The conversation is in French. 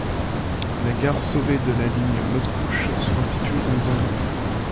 La gare Sauvé de la ligne Mascouche sera située dans les environs.